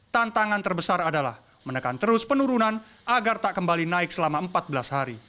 tantangan terbesar adalah menekan terus penurunan agar tak kembali naik selama empat belas hari